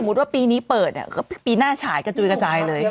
สมมุติว่าปีนี้เปิดอ่ะก็ปีหน้าฉายกระจูยกระจายเลย